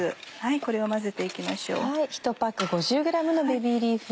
これを混ぜて行きましょう。